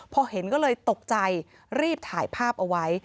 พอเห็นก็เลยตกใจรีบถ่ายภาพเอาไว้